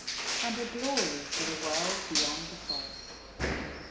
And a glory for the world beyond the forest.